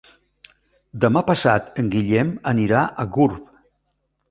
Demà passat en Guillem anirà a Gurb.